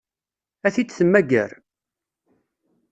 Ad t-id-temmager?